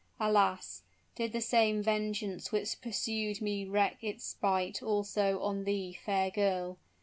Alas! did the same vengeance which pursued me wreak its spite also on thee, fair girl?